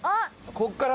ここから。